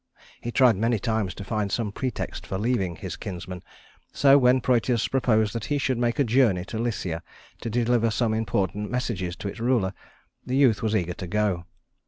He tried many times to find some pretext for leaving his kinsman; so when Prœtus proposed that he should make a journey to Lycia to deliver some important messages to its ruler, the youth was eager to go.